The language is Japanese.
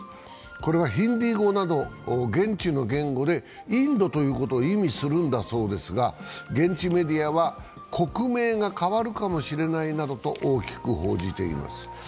これはヒンディー語など現地の言語でインドということを意味するんだそうですが現地メディアは国名が変わるかもしれないなどと大きく報じています。